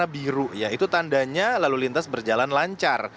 biru ya itu tandanya lalu lintas berjalan lancar